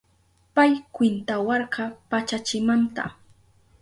Pay kwintawarka pachachimanta